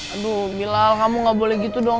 aduh gila kamu gak boleh gitu dong